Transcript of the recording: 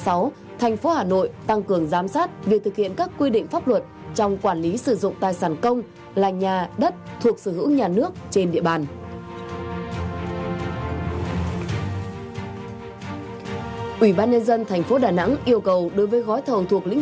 đầu tháng sáu tới các trạm thu phí bot trên cả nước